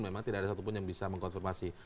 memang tidak ada satupun yang bisa mengkonfirmasi